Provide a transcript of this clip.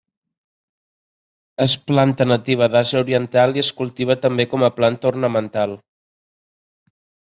Es planta nativa d'Àsia oriental i es cultiva també com a planta ornamental.